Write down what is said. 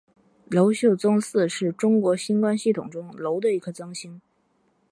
娄宿增四是中国星官系统中娄的一颗增星。